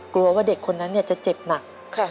กลัวว่าเด็กคนนั้นจะเจ็บหนัก